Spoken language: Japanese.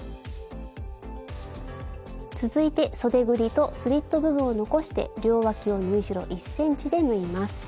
続いてそでぐりとスリット部分を残して両わきを縫い代１ｃｍで縫います。